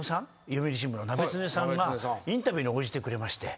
読売新聞のナベツネさんがインタビューに応じてくれまして。